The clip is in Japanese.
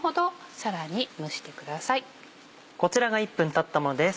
こちらが１分たったものです。